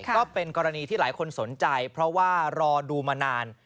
ก็เป็นกรณีที่หลายคนสนใจเพราะว่ารอดูมานาน